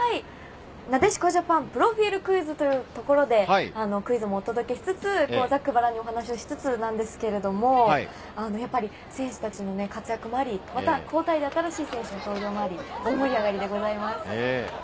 「なでしこジャパンプロフィールクイズ！」というところでクイズもお届けしつつ、ざっくばらんにお話しつつなんですけれども、やっぱり選手たちの活躍もあり、また交代で新しい選手の登場もあり、大盛り上がりでございます。